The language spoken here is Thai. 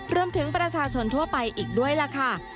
รวมถึงประชาชนทั่วไปอีกด้วยล่ะค่ะ